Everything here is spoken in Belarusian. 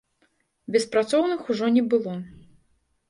Беспрацоўных ужо не было.